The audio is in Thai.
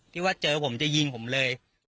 ที่ว่าเจอผมจะยิงผมเลย